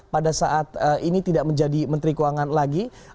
pada saat ini tidak menjadi menteri keuangan lagi